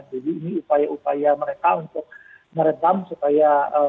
jadi ini upaya upaya mereka untuk meredam supaya